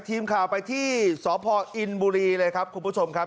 ทีมข่าวไปที่สพอินบุรีเลยครับคุณผู้ชมครับ